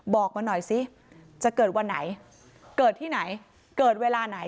บอกมาหน่อยสิจะเกิดวันไหนเกิดที่ไหนเกิดเวลาไหน